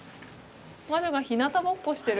魔女がひなたぼっこしてる。